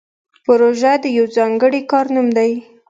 پروژه د یو ځانګړي کار نوم دی